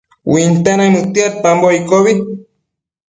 Uinte naimëdtiadpambo iccobi